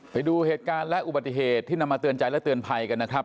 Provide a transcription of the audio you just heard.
ไปดูเหตุการณ์และอุบัติเหตุที่นำมาเตือนใจและเตือนภัยกันนะครับ